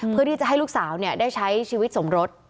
เพื่อที่จะให้ลูกสาวได้ใช้ชีวิตสมรส